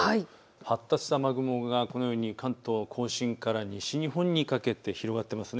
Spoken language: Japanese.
発達した雨雲がこのように関東甲信から西日本にかけて広がっています。